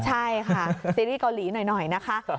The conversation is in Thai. ใช่ค่ะซีรีส์เกาหลีหน่อยนะคะ